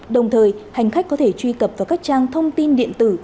đồng thời hành khách có thể truy cập vào các trang thông tin điện tử